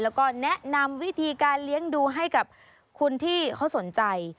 แล้วก็แนะนำวิธีการเลี้ยงดูให้กับคนที่เขาสนใจ